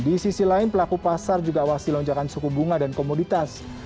di sisi lain pelaku pasar juga awasi lonjakan suku bunga dan komoditas